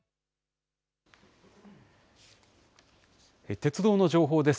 鉄道の情報です。